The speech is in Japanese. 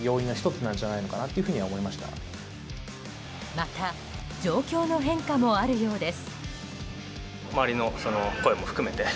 また、状況の変化もあるようです。